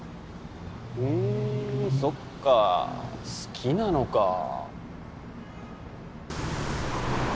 ふんそっか好きなのか。